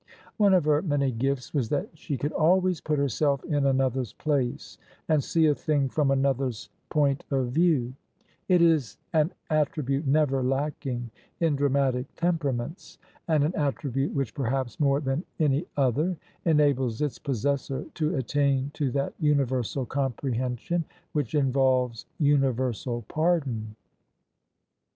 One of her many gifts was that she could always put herself in another's place and see a thing from another person's point [ 305 ] THE SUBJECTION of view: it is an attribute never lacking in dramatic tempera ments, and an attribute which perhaps more than any other enables its possessor to attain to that universal comprehen sion which involves universal pardon.